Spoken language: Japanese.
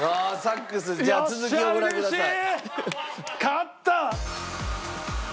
勝った！